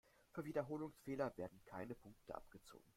Für Wiederholungsfehler werden keine Punkte abgezogen.